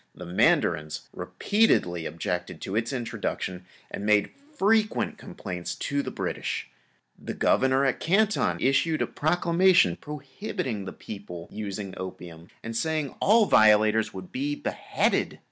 The mandarins repeatedly objected to its introduction and made frequent complaints to the British. The Governor at Canton issued a proclamation prohibiting the people using opium and saying that all violators would be beheaded.